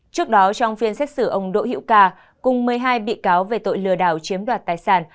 trước đó trong phiên xét xử ông đỗ hiễu cà cùng một mươi hai bị cáo về tội lừa đảo chiếm đoạt tài sản